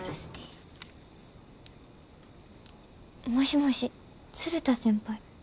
もしもし鶴田先輩？